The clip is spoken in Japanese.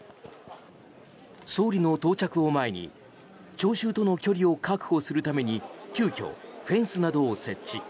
総理の到着を前に聴衆との距離を確保するために急きょ、フェンスなどを設置。